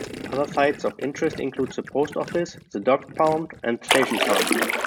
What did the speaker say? Other sights of interest include the post office, the duck pond and Station Farm.